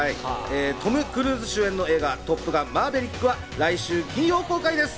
トム・クルーズ主演の映画『トップガンマーヴェリック』は来週金曜公開です。